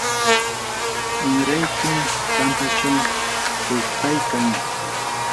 wamrayki pampachaw quchpaykan.